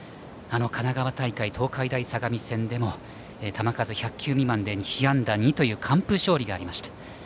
神奈川大会、東海大相模戦でも球数１００球未満で被安打２という完封勝利がありました。